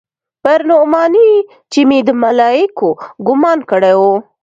پر نعماني چې مې د ملايکو ګومان کړى و.